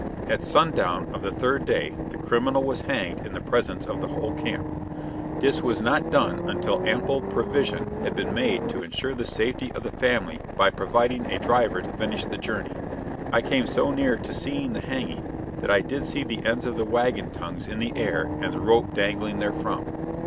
At sundown of the third day the criminal was hanged in the presence of the whole camp. This was not done until ample provision had been made to insure the safety of the family by providing a driver to finish the journey. I came so near to seeing the hanging that I did see the ends of the wagon tongues in the air and the rope dangling therefrom.